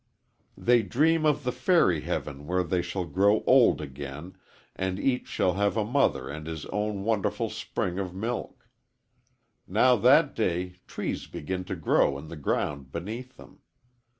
"They dream of the fairy heaven where they shall grow old again and each shall have a mother and his own wonderful spring of milk. Now that day trees begin to grow in the ground beneath them.